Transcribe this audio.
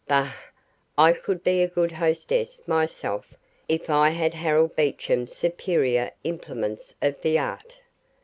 Bah, I could be a good hostess myself if I had Harold Beecham's superior implements of the art!